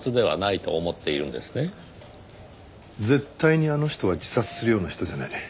絶対にあの人は自殺するような人じゃない。